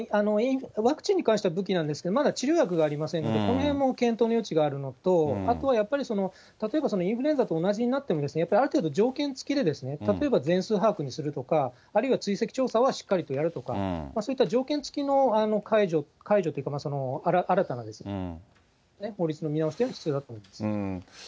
ワクチンに関しては武器なんですけど、まだ治療薬がありませんで、このへんも検討の余地があるのと、あとはやっぱり、例えばインフルエンザと同じになっても、やっぱりある程度条件付きで、例えば全数把握にするとか、あるいは追跡調査はしっかりとやるとか、そういった条件付きの解除というか、新たな法律の見直しというのは必要だと思います。